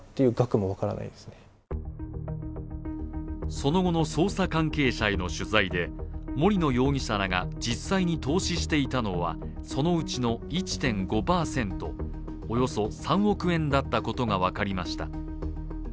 その後の捜査関係者への取材で森野容疑者らが実際に投資していたのはそのうちの１．５％、およそ３億円だったことが分かりました。